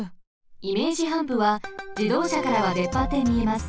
イメージハンプはじどうしゃからはでっぱってみえます。